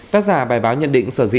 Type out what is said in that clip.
tát giả bài báo nhận định sở dĩ